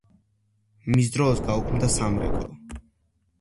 მის დროს გაუქმდა სამრეკლო.